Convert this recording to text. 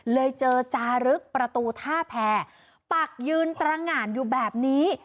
เจอจารึกประตูท่าแพรปักยืนตรงานอยู่แบบนี้